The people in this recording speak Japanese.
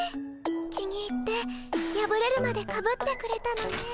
気に入ってやぶれるまでかぶってくれたのね。